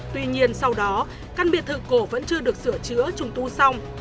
tuy nhiên sau đó căn biệt thự cổ vẫn chưa được sửa chữa trùng tu xong